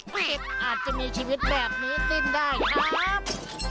อาจจะมีชีวิตแบบนี้ขึ้นได้ครับ